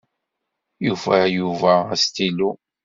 Yufa Yuba astilu.